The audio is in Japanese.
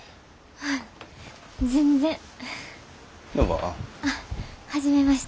あっ初めまして。